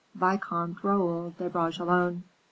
"VICOMTE RAOUL DE BRAGELONNE."